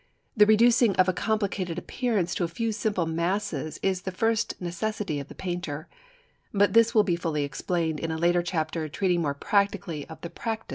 The reducing of a complicated appearance to a few simple masses is the first necessity of the painter. But this will be fully explained in a later chapter treating more practically of the practice of mass drawing.